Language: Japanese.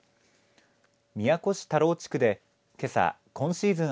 宮古市田老地区でけさ今シーズン